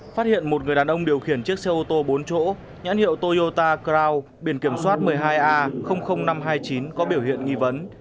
phát hiện một người đàn ông điều khiển chiếc xe ô tô bốn chỗ nhãn hiệu toyota cround biển kiểm soát một mươi hai a năm trăm hai mươi chín có biểu hiện nghi vấn